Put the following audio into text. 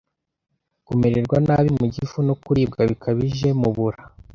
kumererwa nabi mu gifu, no kuribwa bikabije mu bura